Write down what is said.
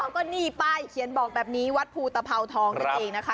ก็นี่ป้ายเขียนบอกแบบนี้วัดภูตภาวทองนั่นเองนะคะ